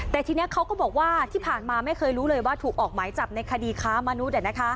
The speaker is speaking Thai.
แต่ทีนี้เขาก็บอกว่าที่ผ่านมาไม่เคยรู้เลยว่าถูกออกหมายจับในคดีค้ามนุษย์